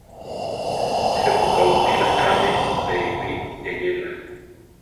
¿Je pu ka upíla káme pébi eyéla?